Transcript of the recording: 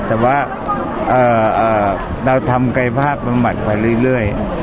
แต่ว่าเราทำใกล้ภาพมันมัดไปเรื่อย